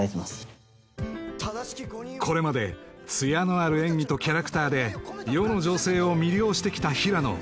これまで艶のある演技とキャラクターで世の女性を魅了してきた平野